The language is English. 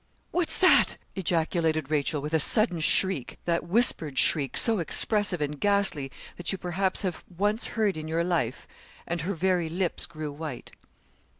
'What's that?' ejaculated Rachel, with a sudden shriek that whispered shriek, so expressive and ghastly, that you, perhaps, have once heard in your life and her very lips grew white.